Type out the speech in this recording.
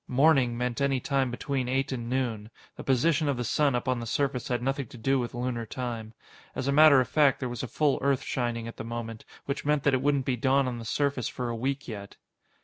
"Morning" meant any time between eight and noon; the position of the sun up on the surface had nothing to do with Lunar time. As a matter of fact, there was a full Earth shining at the moment, which meant that it wouldn't be dawn on the surface for a week yet.